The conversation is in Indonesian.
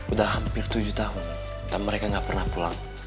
udah hampir tujuh tahun dan mereka nggak pernah pulang